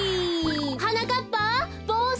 はなかっぱぼうし！